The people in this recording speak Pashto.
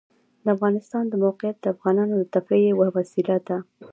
د افغانستان د موقعیت د افغانانو د تفریح یوه وسیله ده.